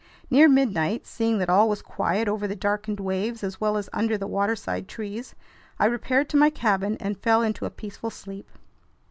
Near midnight, seeing that all was quiet over the darkened waves as well as under the waterside trees, I repaired to my cabin and fell into a peaceful sleep.